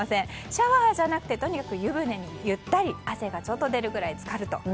シャワーじゃなくてとにかく湯船にゆったり汗がちょっと出るくらいつかると。